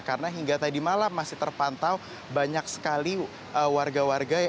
karena hingga tadi malam masih terpantau banyak sekali warga warga